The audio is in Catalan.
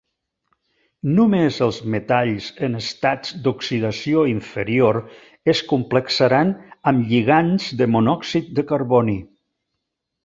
Només els metalls en estats d'oxidació inferior es complexaran amb lligands de monòxid de carboni.